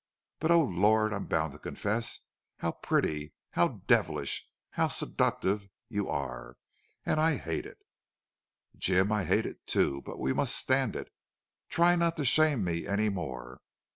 But, O Lord! I'm bound to confess how pretty, how devilish, how seductive you are! And I hate it." "Jim, I hate it, too. But we must stand it. Try not to shame me any more....